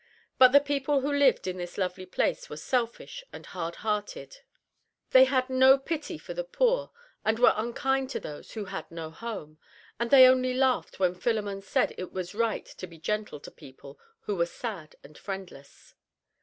But the people who lived in this lovely place were selfish and hard hearted; they had no pity for the poor, and were unkind to those who had no home, and they only laughed when Philemon said it was right to be gentle to people who were sad and friendless.